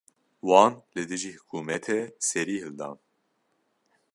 Wan li dijî hikûmetê serî hildan.